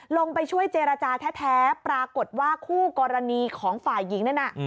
ลงไปช่วยเจรจาแท้ปรากฏว่าคู่กรณีของฝ่ายหญิงนั่นน่ะ